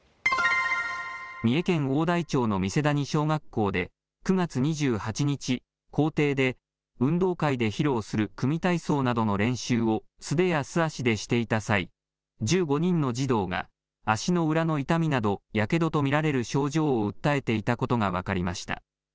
三重県大台町の三瀬谷小学校で９月２８日、校庭で運動会で披露する組み体操などの練習を素手や素足でしていた際１５人の児童が足の裏の痛みなどやけどと見られる症状を訴えていたことが分かりました。